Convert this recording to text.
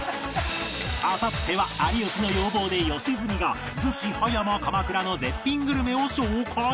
あさっては有吉の要望で良純が逗子・葉山・鎌倉の絶品グルメを紹介